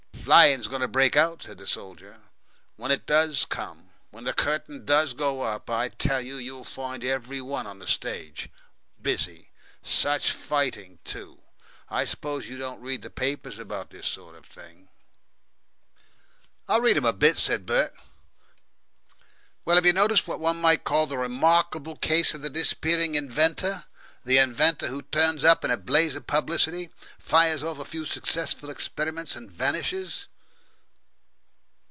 "Flying's going to break out," said the soldier. "When it DOES come, when the curtain does go up, I tell you you'll find every one on the stage busy.... Such fighting, too!... I suppose you don't read the papers about this sort of thing?" "I read 'em a bit," said Bert. "Well, have you noticed what one might call the remarkable case of the disappearing inventor the inventor who turns up in a blaze of publicity, fires off a few successful experiments, and vanishes?"